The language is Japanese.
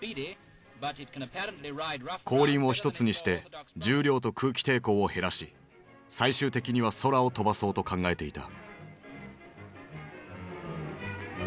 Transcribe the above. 後輪を一つにして重量と空気抵抗を減らし最終的には空を飛ばそうと考えていた。